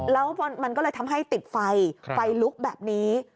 แล้วมันก็เลยทำให้ติดไฟไฟลุกแบบนี้